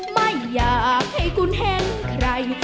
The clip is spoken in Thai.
ไม่อยากให้คุณเห็นใคร